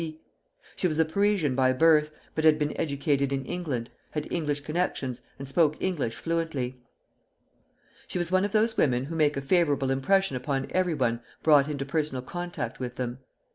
She was a Parisian by birth, but had been educated in England, had English connections, and spoke English fluently. She was one of those women who make a favorable impression upon everyone brought into personal contact with them.